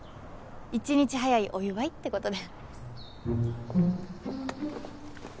１日早いお祝いってことで。